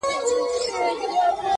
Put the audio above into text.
او باید تر سترګو نه شي